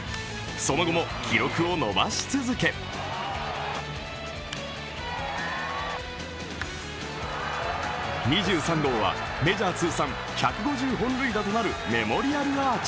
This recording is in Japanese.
その後も記録を伸ばし続け２３号はメジャー通算１５０本塁打となるメモリアルアーチ。